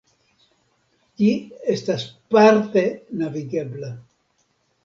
Ĝi estas parte navigebla.